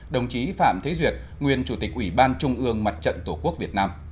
đồng chí phạm thế duyệt nguyên chủ tịch ủy ban trung ương mặt trận tổ quốc việt nam